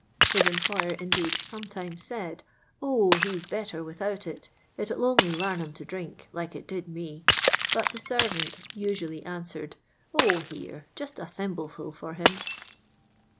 His employer, indeed, sometimes said, " 0, fw. 's better without it; it'll only lam him to drink, like it did me ;" but the servant usually answered, " 0, here, just a thimblefull for him."